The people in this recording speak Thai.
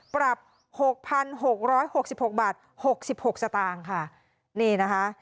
หกพันหกร้อยหกสิบหกบาทหกสิบหกสตางค์ค่ะนี่นะคะ